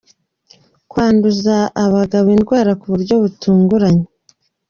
Kwanduza abagabo indwara ku buryo butunguranye.